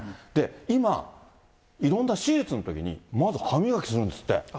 今、いろんな手術のときに、まず歯磨きするんですっ